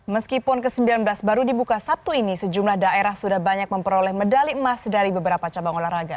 meskipun ke sembilan belas baru dibuka sabtu ini sejumlah daerah sudah banyak memperoleh medali emas dari beberapa cabang olahraga